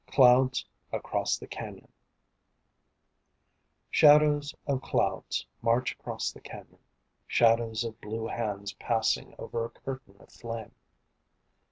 CLOUDS ACROSS THE CANYON Shadows of clouds March across the canyon, Shadows of blue hands passing Over a curtain of flame.